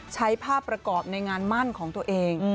ใช้ภาพประกอบในงานมั่นของตัวเอง